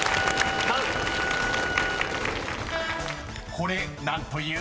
［これ何という？］